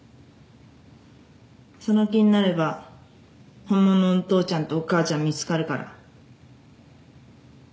その気になれば本物のお父ちゃんとお母ちゃん見つかるから。